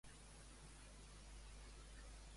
Qui ha de trobar la Inés quan torna a casa?